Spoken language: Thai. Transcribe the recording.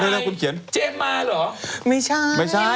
ไม่เอาเขียนมาบอกสิ